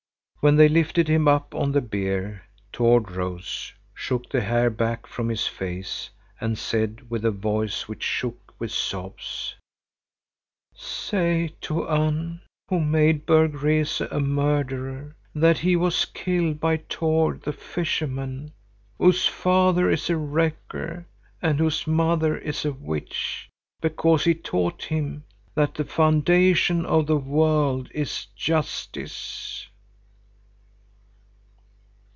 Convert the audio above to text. When they lifted him up on the bier, Tord rose, shook the hair back from his face, and said with a voice which shook with sobs,— "Say to Unn, who made Berg Rese a murderer, that he was killed by Tord the fisherman, whose father is a wrecker and whose mother is a witch, because he taught him that the foundation of the world is justice."